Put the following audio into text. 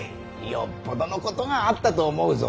よっぽどのことがあったと思うぞ。